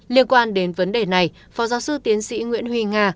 liên quan đến vấn đề này phó giáo sư tiến sĩ nguyễn huy nga